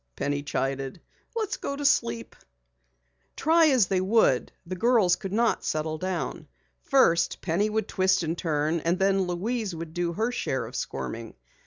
Penny chided. "Let's go to sleep." Try as they would, the girls could not settle down. First Penny would twist and turn and then Louise would do her share of squirming.